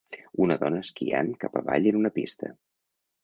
Una dona esquiant cap avall en una pista.